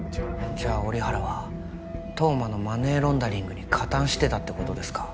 じゃあ折原は当麻のマネーロンダリングに加担してたって事ですか？